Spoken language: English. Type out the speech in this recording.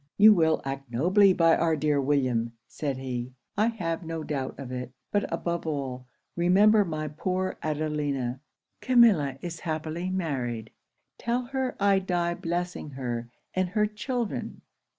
'"You will act nobly by our dear William," said he; "I have no doubt of it; but above all, remember my poor Adelina. Camilla is happily married. Tell her I die blessing her, and her children!